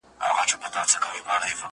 يا په دار لكه منصور يا به سنگسار وي `